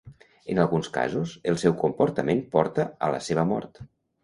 En alguns casos, el seu comportament porta a la seva mort.